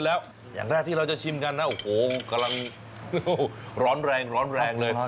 กินกันแล้วอย่างแรกที่เราจะชิมกันนะโอ้โฮกำลังร้อนแรงเลย